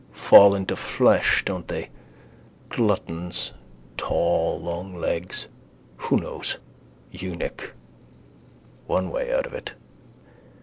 Fall into flesh, don't they? Gluttons, tall, long legs. Who knows? Eunuch. One way out of it.